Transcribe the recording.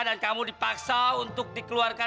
dan kamu dipaksa untuk dikeluarkan